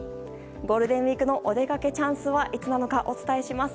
ゴールデンウィークのお出かけチャンスはいつなのかお伝えします。